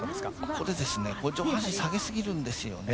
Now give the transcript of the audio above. ここで、上半身下げすぎるんですよね。